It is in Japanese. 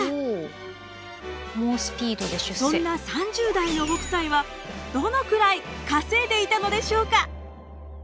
そんな３０代の北斎はどのくらい稼いでいたのでしょうか？